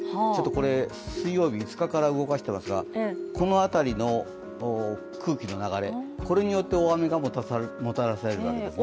これ、水曜日、５日から動かしていますがこの辺りの空気の流れによって大雨がもたらされるわけですよね。